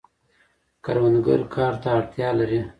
کروندګر کار ته اړتیا لري.